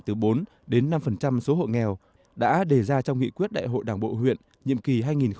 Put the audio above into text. từ bốn đến năm số hộ nghèo đã đề ra trong nghị quyết đại hội đảng bộ huyện nhiệm kỳ hai nghìn một mươi năm hai nghìn hai mươi